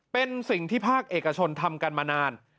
เป็นสิ่งที่ภาคเอกชนทำกันมานาน